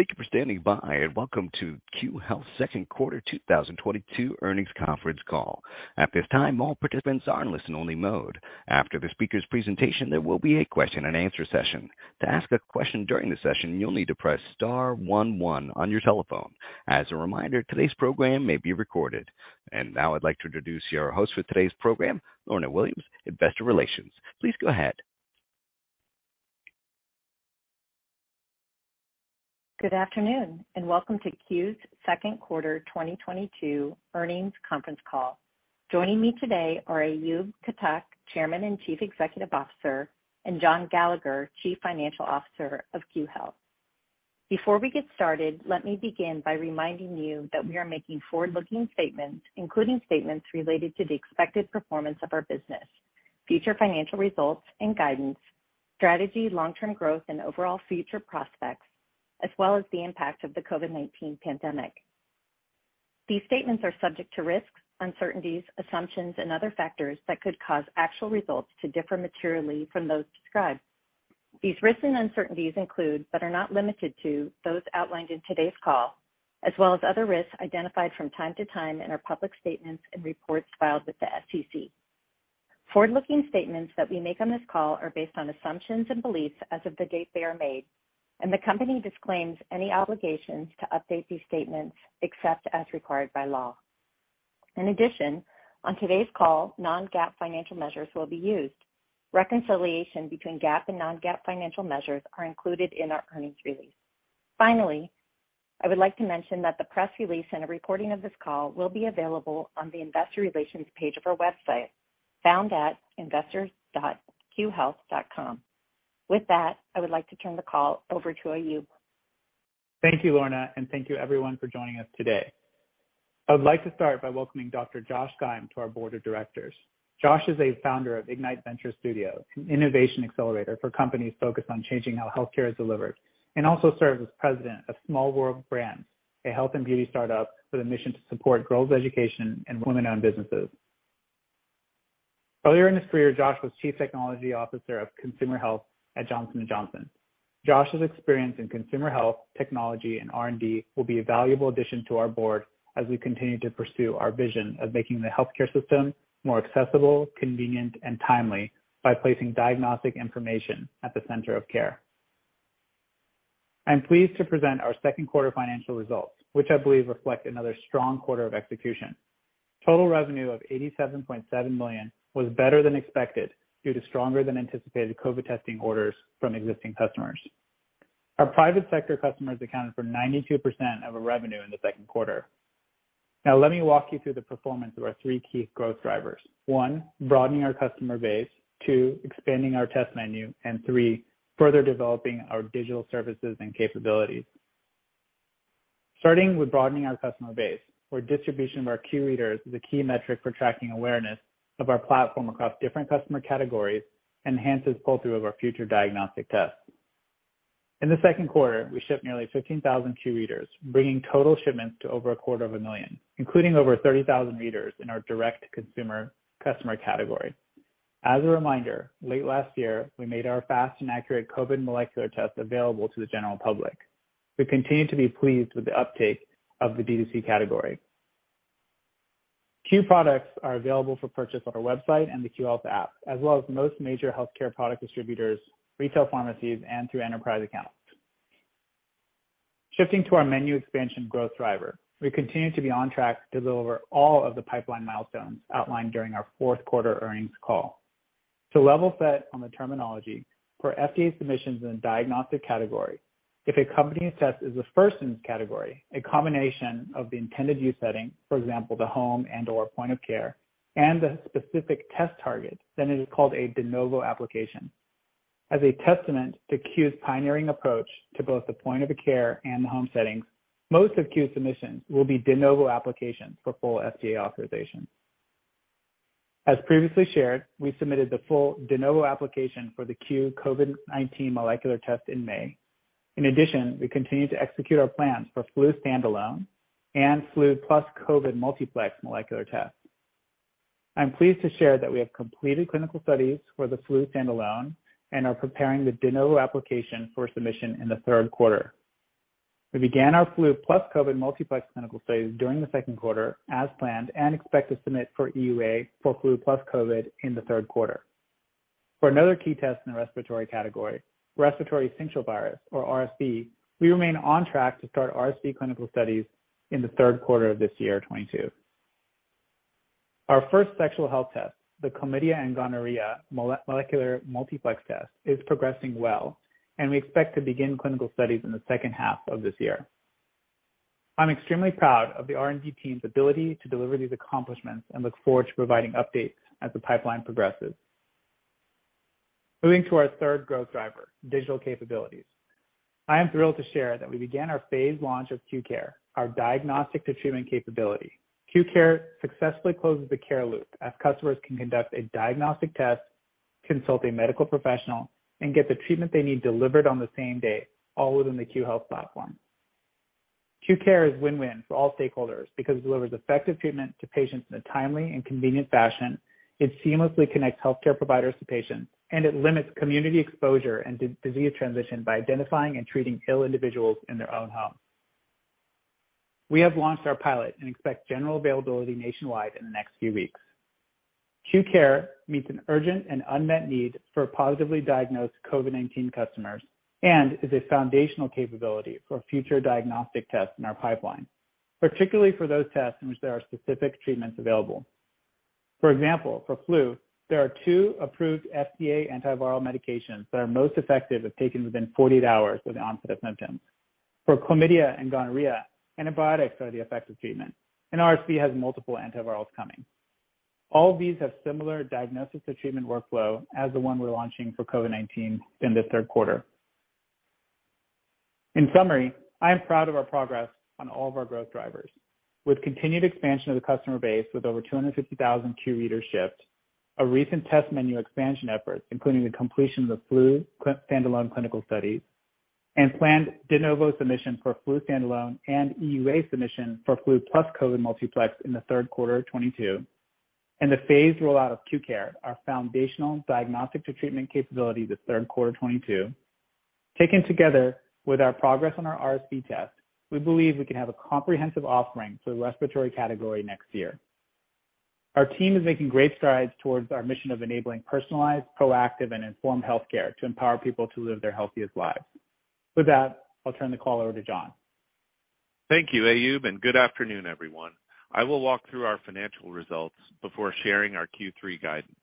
You for standing by, and welcome to Q Health Second Quarter 2022 Earnings Conference Call. At this time, all participants are in a listen only mode. After the speakers' presentation, there will be a question and answer session. As a reminder, today's program may be recorded. And now I'd like to introduce your host for today's program, Lorna Williams, Investor Relations. Please go ahead. Good afternoon, and welcome to Q's Q2 2022 Earnings Conference Call. Joining me today are Ayub Khattuck, Chairman and Chief Executive Officer and John Gallagher, Chief Financial Officer of Q Health. Before we get started, let me begin by reminding you that we are making forward looking statements, including statements related to the expected performance of our business, Future financial results and guidance, strategy, long term growth and overall future prospects as well as the impact of the COVID-nineteen pandemic. These statements are subject to risks, uncertainties, assumptions and other factors that could cause actual results to differ materially from those described. These risks and uncertainties include, but are not limited to, those outlined in today's call as well as other risks identified from time to time in our public statements Forward looking statements that we make on this call are based on assumptions and beliefs as of the date they are made, and the company disclaims any obligations to update these statements except as required by law. In addition, On today's call, non GAAP financial measures will be used. Reconciliation between GAAP and non GAAP financial measures are included in our earnings release. Finally, I would like to mention that the press release and a recording of this call will be available on the Investor Relations page of our website found at investors. Qhealth.com. With that, I would like to turn the call over to Ayub. Thank you, Lorna, and thank you everyone for joining us today. I would like to start by welcoming Doctor. Josh Geim to our Board of Directors. Josh is a Founder of Ignite Venture Studio, an innovation accelerator Companies focused on changing how healthcare is delivered and also serves as President of Small World Brands, a health and beauty startup with a mission Earlier in his career, Josh was Chief Technology Officer of Consumer Health at Johnson and Johnson. Josh's experience in consumer health, technology and R and D will be a valuable addition to our Board as we continue to pursue our vision of making the healthcare system I'm pleased to present our Q2 financial results, which I believe reflect another strong quarter of execution. Total revenue of $87,700,000 was better than expected Due to stronger than anticipated COVID testing orders from existing customers. Our private sector customers accounted for 92% of our revenue in the 2nd quarter. Now let me walk you through the performance of our 3 key growth drivers: 1, broadening our customer base 2, expanding our test menu and 3, Further developing our digital services and capabilities. Starting with broadening our customer base, where distribution of our key readers The key metric for tracking awareness of our platform across different customer categories enhances pull through of our future diagnostic tests. In the Q2, we shipped nearly 15,000 Q readers, bringing total shipments to over a quarter of a 1000000, including over 30,000 readers in our direct to consumer Customer category. As a reminder, late last year, we made our fast and accurate COVID molecular test available to the general public. We continue to be pleased with the uptake of the D2C category. Queue products are available for purchase on our website and the Queue Health app As well as most major healthcare product distributors, retail pharmacies and through enterprise accounts. Shifting to our menu expansion growth driver. We continue to be on track to deliver all of the pipeline milestones outlined during our Q4 earnings call. To level set on the terminology For FDA submissions in the diagnostic category, if a company's test is the 1st in this category, a combination of the intended use setting, for example, the home and or point of care, And the specific test target, then it is called a de novo application. As a testament to CU's pioneering approach to both the point of care and the home settings, Most of the Q's submissions will be de novo applications for full FDA authorization. As previously shared, We submitted the full de novo application for the Q COVID-nineteen molecular test in May. In addition, we continue to execute our plans for flu standalone I'm pleased to share that we have completed clinical studies for the Flute standalone and are preparing the de novo application for submission in the Q3. We began our flu plus COVID multiplex clinical studies during the Q2 as planned and expect to For another key test in the respiratory category, respiratory synchial virus or RSV, We remain on track to start RSV clinical studies in the Q3 of this year, 2022. Our first sexual health test, The chlamydia and gonorrhea molecular multiplex test is progressing well, and we expect to begin clinical studies in the second half of this year. I'm extremely proud of the R and D team's ability to deliver these accomplishments and look forward to providing updates as the pipeline progresses. Moving to our 3rd growth driver, digital capabilities. I am thrilled to share that we began our phase launch of Q Care, Our diagnostic to treatment capability. Q Care successfully closes the care loop as customers can conduct a diagnostic test, Consult a medical professional and get the treatment they need delivered on the same day, all within the Q Health platform. Q Care is win win for all stakeholders because it delivers effective treatment to patients in a timely and convenient fashion, it seamlessly connects healthcare providers to patients, And it limits community exposure and disease transition by identifying and treating ill individuals in their own home. We have launched our pilot and expect general availability nationwide in the next few weeks. Q Care meets an urgent and unmet need for positively diagnosed COVID-nineteen customers and is a foundational capability for future diagnostic tests in our pipeline, particularly for those tests in which there are specific treatments available. For example, for flu, there are 2 approved FDA antiviral medications Most effective if taken within 48 hours with onset of symptoms. For chlamydia and gonorrhea, antibiotics are the effects of treatment and RSV has multiple antivirals coming. All these have similar diagnosis to treatment workflow as the one we're launching for COVID-nineteen in the Q3. In summary, I am proud of our progress on all of our growth drivers. With continued expansion of the customer base with over 250,000 queue readers shipped, A recent test menu expansion efforts, including the completion of the flu standalone clinical studies and planned de novo submission For flu standalone and EUA submission for flu plus COVID multiplex in the Q3 of 'twenty two and the phased rollout of Q Care, Our foundational diagnostic to treatment capability this Q3 2022. Taken together with our progress on our RSV test, We believe we can have a comprehensive offering for the respiratory category next year. Our team is making great strides towards our mission of enabling personalized, proactive With that, I'll turn the call over to John. Thank you, Aayub, and good afternoon, everyone. I will walk through our financial results before sharing our Q3 guidance.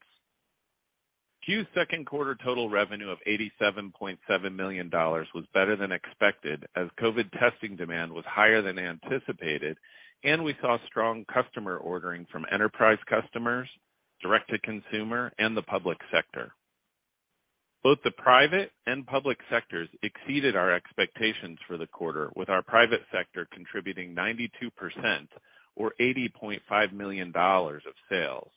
Q2 total revenue of 87 $700,000 was better than expected as COVID testing demand was higher than anticipated and we saw strong customer ordering from enterprise customers, Direct to consumer and the public sector. Both the private and public sectors exceeded our expectations for the quarter with our private sector Contributing 92 percent or $80,500,000 of sales,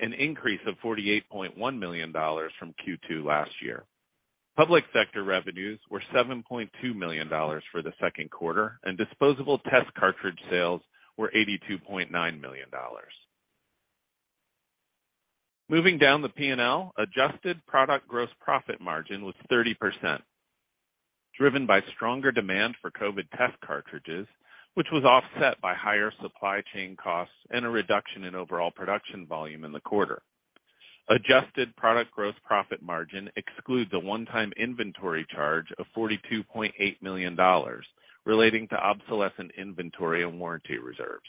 an increase of $48,100,000 from Q2 last year. Public sector revenues were $7,200,000 for the 2nd quarter and disposable test cartridge sales were $82,900,000 Moving down the P and L, adjusted product gross profit margin was 30%, driven by stronger demand for COVID test cartridges, which was offset by higher supply chain costs and a reduction in overall production volume in the quarter. Adjusted product gross profit margin excludes the one time inventory charge of $42,800,000 relating to obsolescence inventory and warranty reserves.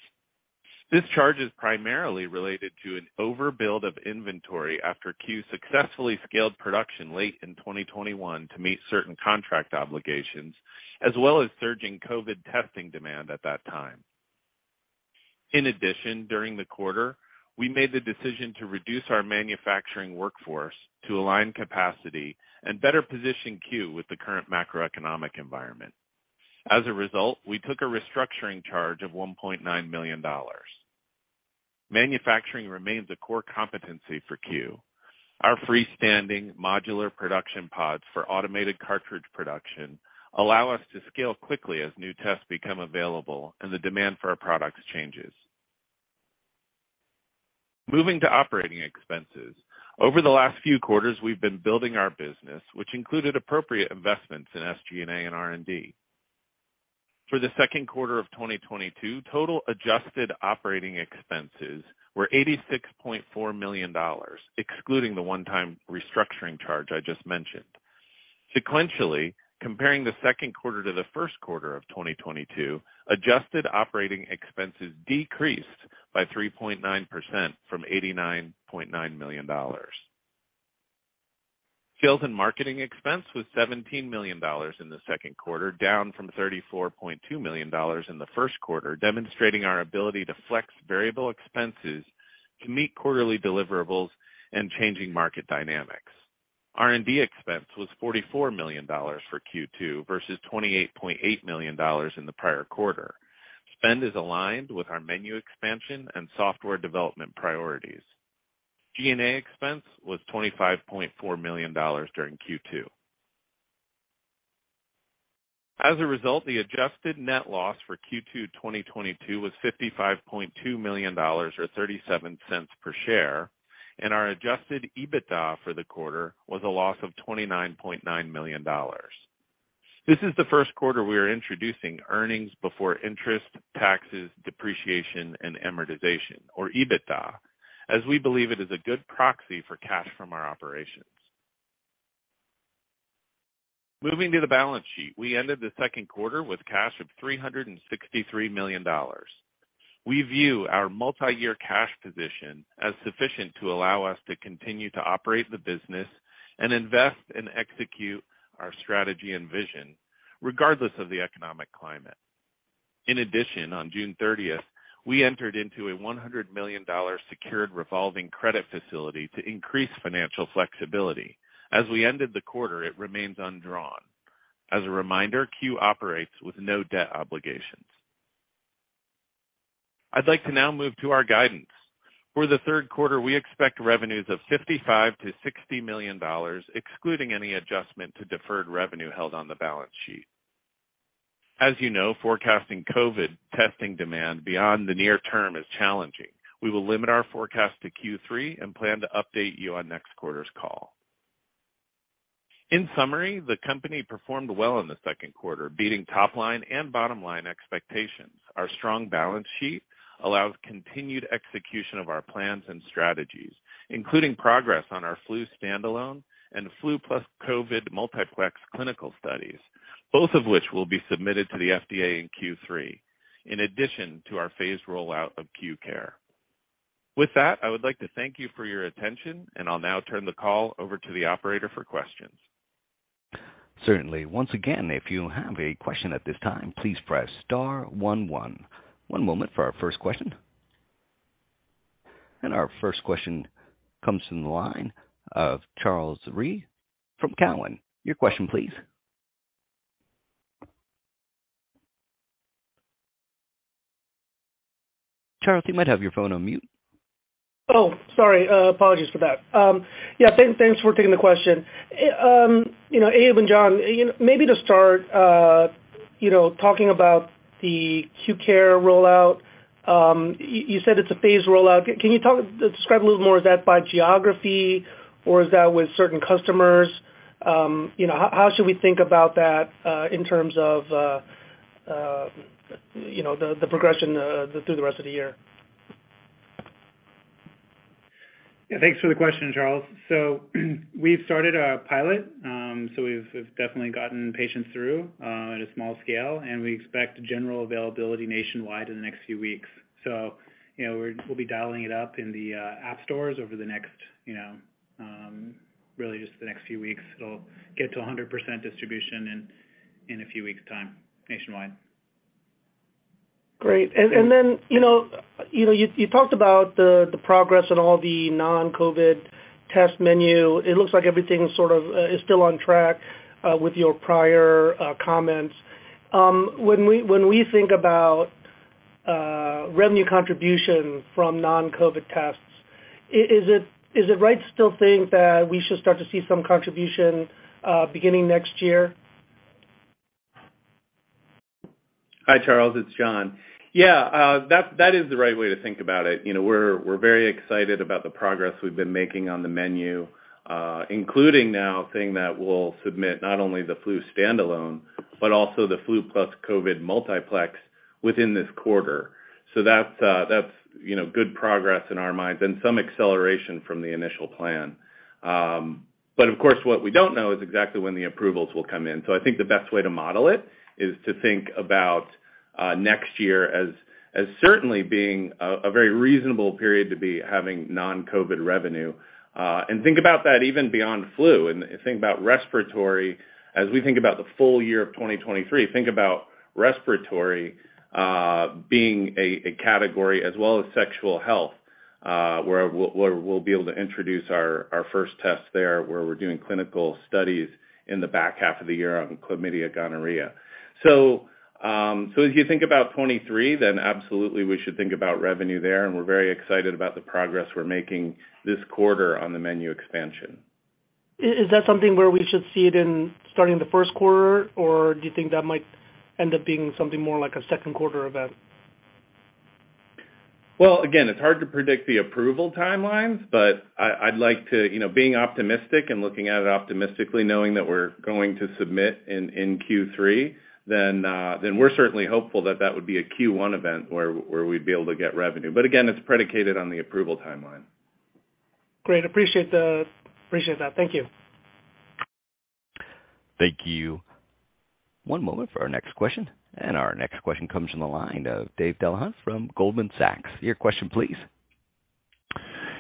This charge is primarily related to an overbuild of inventory after You successfully scaled production late in 2021 to meet certain contract obligations as well as surging COVID testing demand at that time. In addition, during the quarter, we made the decision to reduce our manufacturing workforce to align capacity and better position Q with the current macroeconomic environment. As a result, we took a restructuring charge of $1,900,000 Manufacturing remains a core competency for CU. Our freestanding modular production pods for automated cartridge production Allow us to scale quickly as new tests become available and the demand for our products changes. Moving to operating expenses. Over the last few quarters, we've been building our business, which included appropriate investments in SG and A and R and D. For the Q2 of 2022, total adjusted operating expenses were $86,400,000 excluding the one time restructuring charge I just mentioned. Sequentially, comparing the Q2 to the Q1 of 2022, Adjusted operating expenses decreased by 3.9 percent from $89,900,000 Sales and marketing expense was $17,000,000 in the 2nd quarter, down from $34,200,000 in the 1st quarter, demonstrating our ability to flex Variable expenses to meet quarterly deliverables and changing market dynamics. R and D expense was $44,000,000 for Q2 versus $28,800,000 in the prior quarter. Spend is aligned with our menu expansion and software development priorities. G and A expense was $25,400,000 during Q2. As a result, the adjusted The net loss for Q222 was $55,200,000 or $0.37 per share and our adjusted EBITDA for the quarter Was a loss of $29,900,000 This is the Q1 we are introducing earnings before interest, Taxes, depreciation and amortization or EBITDA as we believe it is a good proxy for cash from our operations. Moving to the balance sheet. We ended the 2nd quarter with cash of $363,000,000 We view our multiyear cash position as sufficient to allow us to continue to operate the business and invest and execute Our strategy and vision regardless of the economic climate. In addition, on June 30, we entered into a $100,000,000 As a reminder, Queue operates with no debt obligations. I'd like to now move to our guidance. For the Q3, we expect revenues of $55,000,000 to $60,000,000 excluding any adjustment to deferred revenue held on the balance sheet. As you know, forecasting COVID testing demand beyond the near term is challenging. We will limit our forecast to Q3 and plan to update you on next In summary, the company performed well in the 2nd quarter, beating top line and bottom line expectations. Our strong balance sheet allows continued execution of our plans and strategies, including progress on our flu standalone and flu plus COVID multiplex clinical studies, both of which will be submitted to the FDA in Q3, in addition to our phased rollout of Q Care. With that, I would like to thank you for your attention. And I'll now turn the call over to the operator for questions. And our first question comes from the line of Charles Rhyee from Cowen. Your question, please. Charles, you might have your phone on mute. Sorry, apologies for that. Yes, thanks for taking the question. Abe and John, maybe to start talking about the Q Care rollout, You said it's a phased rollout. Can you talk describe a little more, is that by geography or is that with certain customers? How should we think about that in terms of the progression through the rest of the year? Thanks for the question, Charles. So we've started our pilot. So we've definitely gotten patients through, at a small And we expect general availability nationwide in the next few weeks. So we'll be dialing it up in the app stores over the next Really just the next few weeks, it will get to 100% distribution in a few weeks' time nationwide. Great. And then you talked about the progress in all the non COVID Test menu, it looks like everything sort of is still on track with your prior comments. When we think about Revenue contribution from non COVID tests, is it right to still think that we should start to see some contribution Beginning next year. Hi, Charles. It's John. Yes, that is the right way to think about it. We're very Excited about the progress we've been making on the menu, including now a thing that will submit not only the flu standalone, But also the flu plus COVID multiplex within this quarter. So that's good progress in our mind and some acceleration from the initial But of course, what we don't know is exactly when the approvals will come in. So I think the best way to model it is to think about Next year as certainly being a very reasonable period to be having non COVID revenue. And think about that even beyond flu and Think about respiratory, as we think about the full year of 2023, think about respiratory being a category as well as sexual health, We'll be able to introduce our first test there where we're doing clinical studies in the back half of the year on chlamydia, gonorrhea. So if you think about 23, then absolutely we should think about revenue there and we're very excited about the progress we're making this quarter on the menu expansion. Is that something where we should see it in starting the Q1? Or do you think that might end up being something more like a second quarter event? Well, again, it's hard to predict the approval time lines, but I'd like to being optimistic and looking at it optimistically, knowing that we're going to submit in Q3, then Knowing that we're going to submit in Q3, then we're certainly hopeful that that would be a Q1 event where we'd be able to get revenue. But again, it's Thank you. One moment for our next question. And our next question comes from the line of Dave Delahunt from Goldman Sachs. Your question please.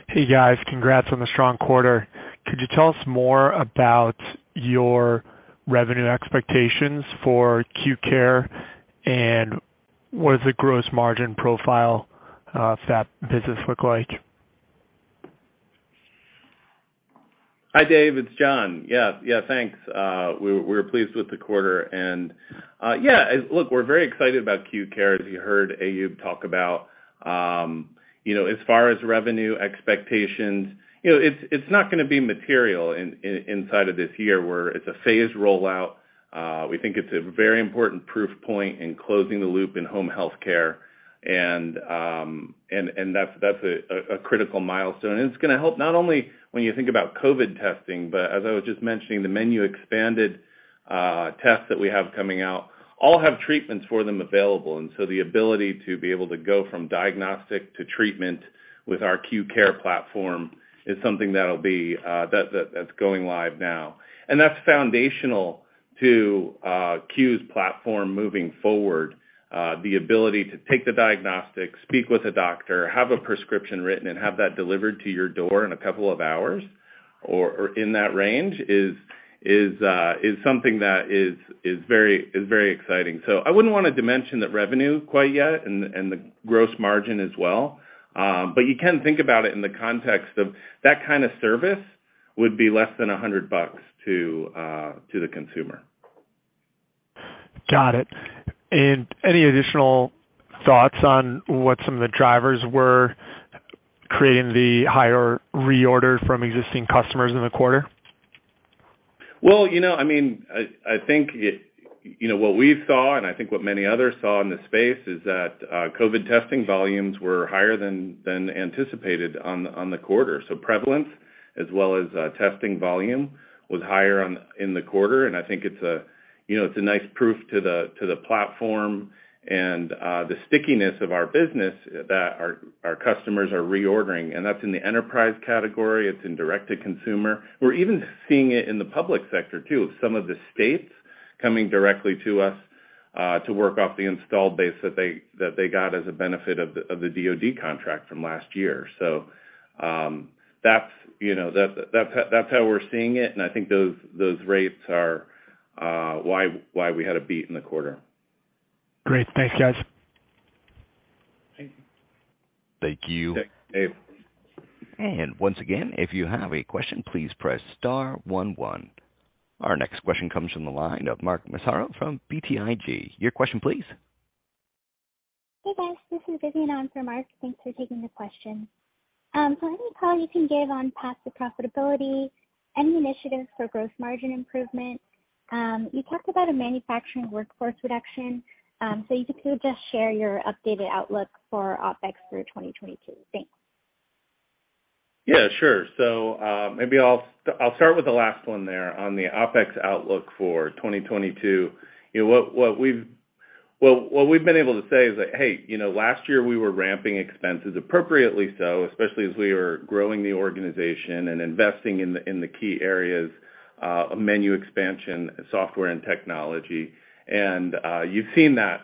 Hey guys, congrats on the strong quarter. Could you tell us more about your revenue expectations for Q Care? And what does the gross margin profile of that business look like? Hi, Dave, it's John. Yes, yes, thanks. We're pleased with the quarter. And Yes. Look, we're very excited about Q Care as you heard Ayub talk about. As far as revenue expectations, It's not going to be material inside of this year where it's a phased rollout. We think it's a very important proof point in closing the loop in home healthcare And that's a critical milestone. It's going to help not only when you think about COVID testing, but as I was just mentioning, the menu expanded Tests that we have coming out all have treatments for them available and so the ability to be able to go from diagnostic to treatment With our Q Care platform, it's something that will be that's going live now. And that's foundational To, CU's platform moving forward, the ability to take the diagnostics, speak with a doctor, have a prescription written and have that delivered Your door in a couple of hours or in that range is something that is very exciting. I wouldn't want to dimension that revenue quite yet and the gross margin as well, but you can think about it in the context of that kind of service Would be less than $100 to the consumer. Got it. And any additional Thoughts on what some of the drivers were creating the higher reorder from existing customers in the quarter? Well, I mean, I think what we saw and I think what many others saw in the space is that COVID testing volumes were higher than anticipated on the quarter. So prevalence as well as testing volume Was higher in the quarter and I think it's a nice proof to the platform and the stickiness of our business that Our customers are reordering and that's in the enterprise category, it's in direct to consumer. We're even seeing it in the public sector too, some of the states Coming directly to us to work off the installed base that they got as a benefit of the DoD contract from last year. So That's how we're seeing it and I think those rates are why we had a beat in the quarter. Great. Thanks guys. Thank you. Thank you, Dave. Our next question comes from the line of Mark Massaro from BTIG. Your question please. Hey, guys. This is Vivien on for Mark. Thanks for taking the question. So any color you can give on path to profitability, any initiatives for gross margin improvement? You talked about a manufacturing workforce reduction. So if you could just share your updated outlook for OpEx through 2022? Thanks. Yes, sure. So maybe I'll start with the last one there on the OpEx outlook for 2022. Well, what we've been able to say is that, hey, last year we were ramping expenses appropriately so, especially as we were growing the organization And then investing in the key areas of menu expansion, software and technology. And you've seen that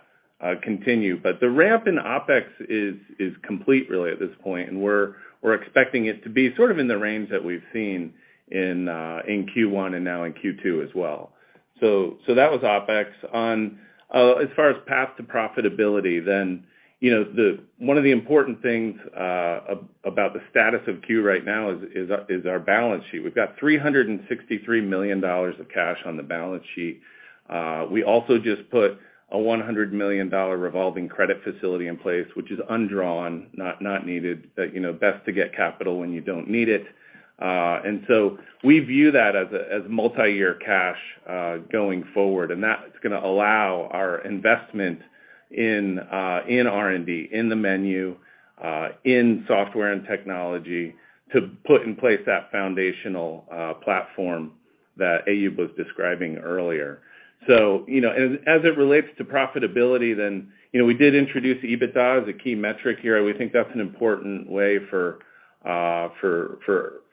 Continue. But the ramp in OpEx is complete really at this point and we're expecting it to be sort of in the range that we've seen in Q1 and now in Q2 as well. So that was OpEx. As far as path to profitability, then One of the important things about the status of CU right now is our balance sheet. We've got $363,000,000 of Cash on the balance sheet. We also just put a $100,000,000 revolving credit facility in place, which is undrawn, Not needed, best to get capital when you don't need it. And so we view that as multiyear cash Going forward and that's going to allow our investment in R and D, in the menu, In software and technology to put in place that foundational platform that A. Y. Was describing earlier. So as it relates to profitability then, we did introduce EBITDA as a key metric here. We think that's an important way For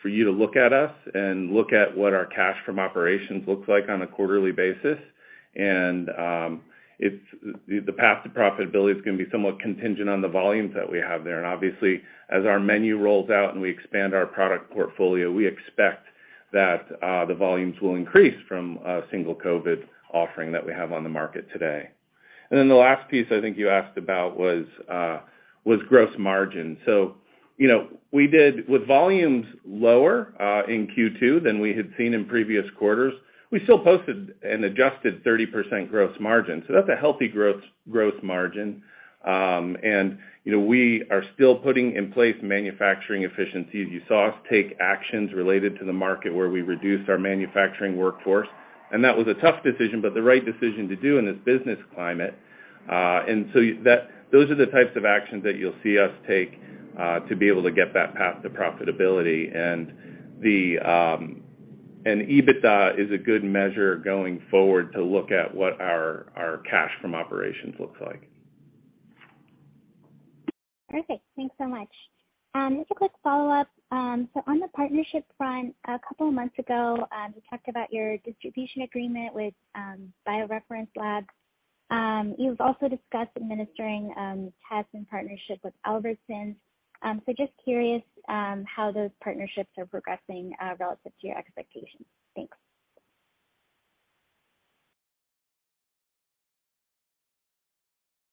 you to look at us and look at what our cash from operations looks like on a quarterly basis and The path to profitability is going to be somewhat contingent on the volumes that we have there. And obviously, as our menu rolls out and we expand our product portfolio, we expect That the volumes will increase from single COVID offering that we have on the market today. And then the last piece I think you asked about With gross margin, so we did with volumes lower in Q2 than we had seen in previous quarters, We still posted an adjusted 30% gross margin. So that's a healthy gross margin. And we are still putting in place Manufacturing efficiencies, you saw us take actions related to the market where we reduced our manufacturing workforce. And that was a tough decision, but the right decision to do in this business climate. And so those are the types of actions that you'll see us take to be able to get that path to profitability. And EBITDA is a good measure going forward to look at what our cash from operations looks like. Perfect. Thanks so much. Just a quick follow-up. So on the partnership front, a couple of months ago, you talked about your distribution agreement with BioReference Labs. You've also discussed administering tests in partnership with Albertson. So just curious, how those partnerships are progressing relative to your expectations? Thanks.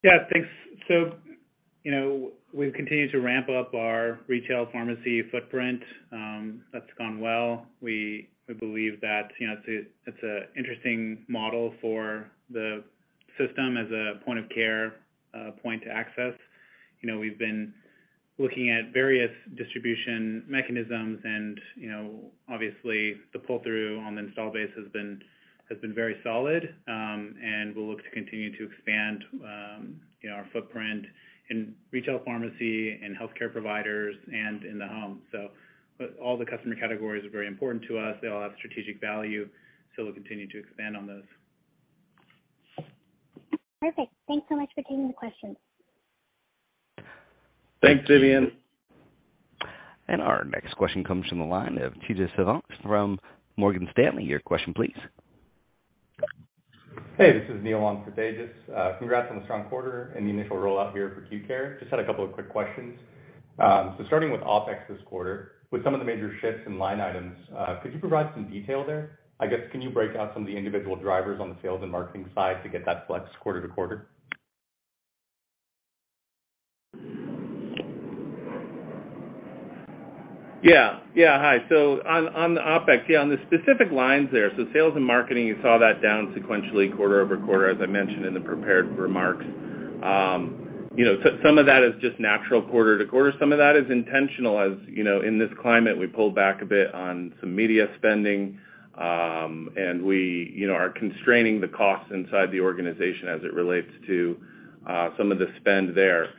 Yes, thanks. So we've continued to ramp up our retail pharmacy footprint. That's gone well. We believe that it's an interesting model for the System as a point of care, point to access. We've been looking at various distribution mechanisms and Obviously, the pull through on the installed base has been very solid, and we'll look to continue to expand our footprint In retail pharmacy and healthcare providers and in the home. So all the customer categories are very important to us. They all have strategic value. And our next question comes from the line of Tejas Sevais from Morgan Stanley. Your question please. Hey, this is Neil on for Tejas. Congrats on the strong quarter and the initial rollout here for Q Care. Just had a couple of quick questions. So starting with OpEx this quarter, Some of the major shifts in line items, could you provide some detail there? I guess, can you break out some of the individual drivers on the sales and marketing side to get that flex quarter to quarter? Yes. Yes. Hi. So On the OpEx, yes, on the specific lines there, so sales and marketing, you saw that down sequentially quarter over quarter, as I mentioned in the prepared remarks. Some of that is just natural quarter to quarter. Some of that is intentional as in this climate we pulled back a bit on some media spending And we are constraining the costs inside the organization as it relates to some of the spend there.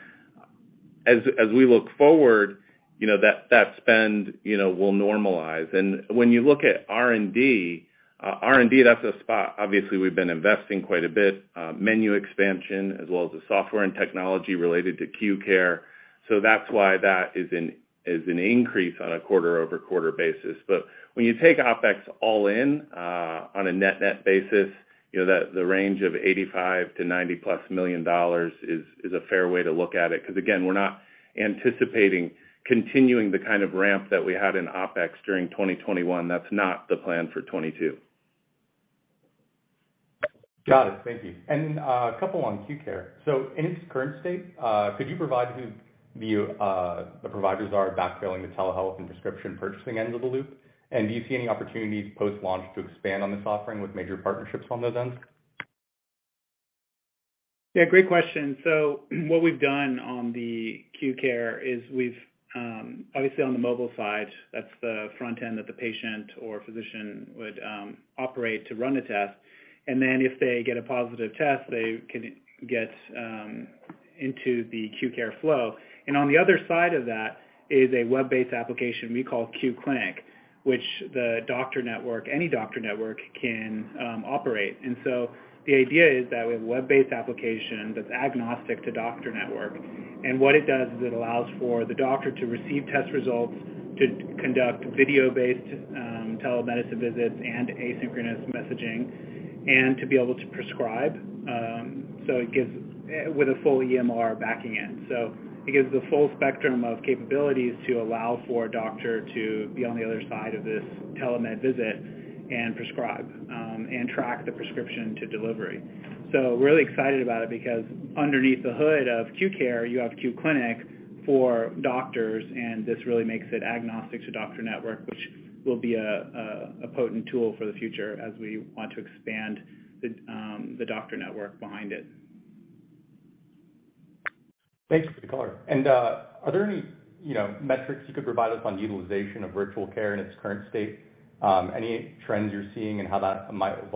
As we look forward, that spend will normalize. And when you look at R and D, R and D, that's a spot. Obviously, we've been investing quite a bit, menu expansion as well as the software and technology related to Q Care. So that's why that It's an increase on a quarter over quarter basis. But when you take OpEx all in, on a net net basis, The range of $85,000,000 to $90 plus 1,000,000 is a fair way to look at it because again, we're not anticipating Continuing the kind of ramp that we had in OpEx during 2021, that's not the plan for 2022. Got it. Thank you. And a couple on Q Care. So in its current state, could you provide who the providers are back The telehealth and prescription purchasing end of the loop. And do you see any opportunities post launch to expand on this offering with major partnerships on those ends? Yes, great question. So what we've done on the Q Care is we've obviously on the mobile side, That's the front end of the patient or physician would operate to run the test. And then if they get a positive test, they can Get into the Q Care flow. And on the other side of that is a web based application we call Q Clinic, Which the doctor network, any doctor network can operate. And so the idea is that we have web based application that's agnostic to doctor network. And what it does is it allows for the doctor to receive test results to conduct video based telemedicine visits and asynchronous messaging And to be able to prescribe, so it gives with a full EMR backing in. So it gives the full spectrum of capabilities to allow For a doctor to be on the other side of this telemed visit and prescribe, and track the prescription to delivery. So really excited about it because underneath the hood of Q Care, you have Q Clinic for doctors and this really makes it agnostic to doctor network, Thanks for the color. And are there any metrics you could provide us on utilization of virtual care in its current state? Any trends you're seeing and how that might And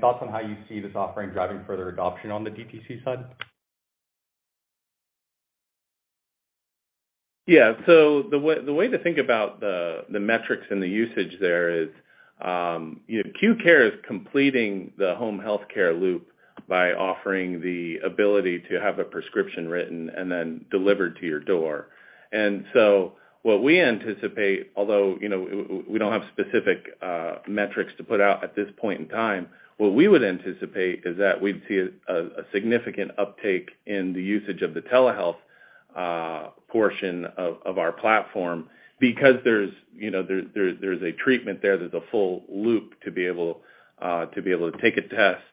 thoughts on how you see this offering driving further adoption on the DTC side? Yes. So the way to think about the metrics and the usage there is, Q Care is completing the home health care loop by offering the ability to have a prescription written and then delivered to your door. And so what we anticipate, although we don't have specific metrics to put out at this point in time, What we would anticipate is that we'd see a significant uptake in the usage of the telehealth portion of our platform Because there's a treatment there, there's a full loop to be able to take a test,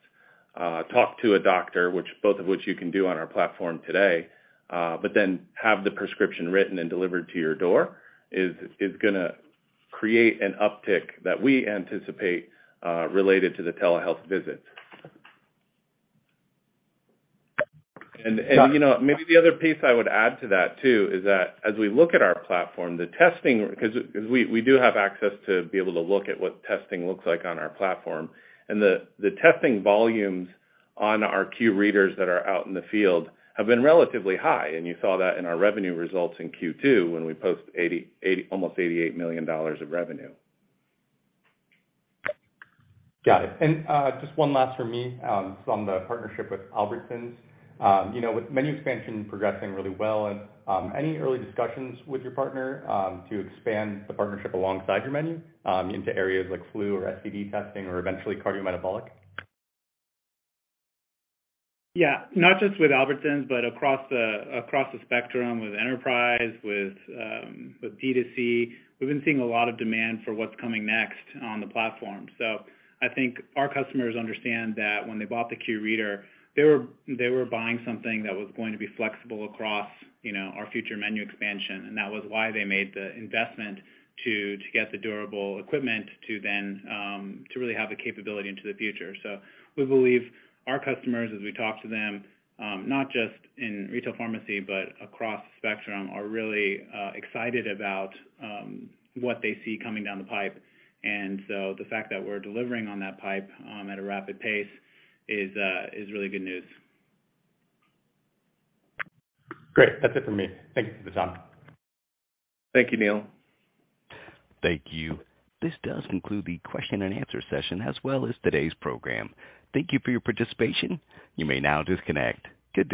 Talk to a doctor, which both of which you can do on our platform today, but then have the prescription written and delivered to your door is going to Create an uptick that we anticipate related to the telehealth visit. And maybe the other piece I would add to that too is that as we look at our platform, the testing because we do have access To be able to look at what testing looks like on our platform and the testing volumes on our Q readers that are out in the field Have been relatively high and you saw that in our revenue results in Q2 when we post almost $88,000,000 of revenue. Got it. And just one last for me, on the partnership with Albertsons. With menu expansion progressing really well, any early discussions with your partner to expand the partnership alongside your menu into areas like Flu or STD testing or eventually cardiometabolic? Yes. Not just with Albertsons, but across the Spectrum with enterprise, with B2C, we've been seeing a lot of demand for what's coming next on the platform. So I think our customers understand that when they bought the Q Reader, they were buying something that was going to be flexible across Our future menu expansion and that was why they made the investment to get the durable equipment to then, to really have the capability into the future. So We believe our customers as we talk to them, not just in retail pharmacy, but across the spectrum are really excited about What they see coming down the pipe and so the fact that we're delivering on that pipe at a rapid pace is really good news. Great. That's it for me. Thank you for the time. Thank you, Neil. Thank you. This does conclude the question and answer session as well as today's program. Thank you for your participation. You may now disconnect. Good day.